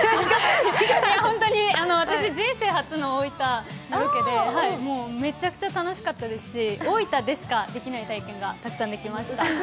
私、人生初の大分ロケでめちゃくちゃ楽しかったですし大分でしかできない体験がたくさんできました。